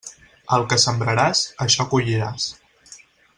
El que sembraràs, això colliràs.